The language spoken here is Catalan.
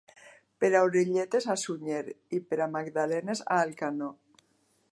Per a orelletes a Sunyer i per a magdalenes a Alcanó.